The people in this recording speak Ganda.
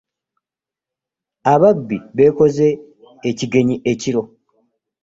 Ababbi beekoze ekigenyi ekiro.